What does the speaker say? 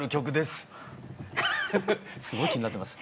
すごい気になってます。